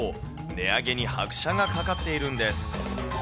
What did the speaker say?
値上げに拍車がかかっているんです。